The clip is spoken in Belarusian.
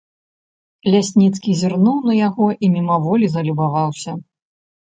Лясніцкі зірнуў на яго і мімаволі залюбаваўся.